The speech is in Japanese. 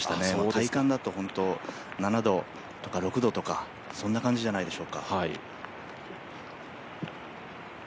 体感だと７度とか６度とかそんな感じじゃないでしょうか。